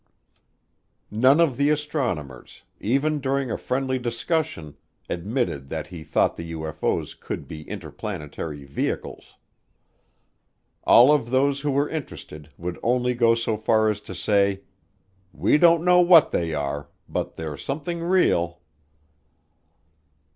None of the astronomers, even during a friendly discussion, admitted that he thought the UFO's could be interplanetary vehicles. All of those who were interested would only go so far as to say, "We don't know what they are, but they're something real."